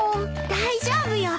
大丈夫よ！